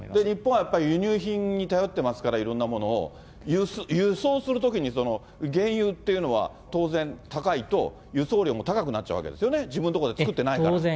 日本はやっぱり輸入品に頼ってますから、いろんなものを、輸送するときに原油っていうのは当然、高いと、輸送料も高くなっちゃうわけですよね、自分の所で作ってないから。